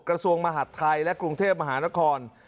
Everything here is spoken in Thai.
กระทรวงมหาดไทยและกรุงเทพมหานคร